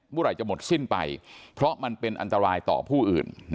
เมื่อไหร่จะหมดสิ้นไปเพราะมันเป็นอันตรายต่อผู้อื่น